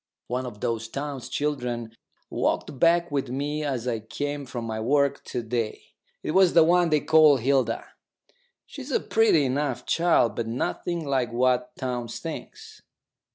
One of those Townes children walked back with me as I came from my work to day. It was the one they call Hilda. She's a pretty enough child, but nothing like what Townes thinks.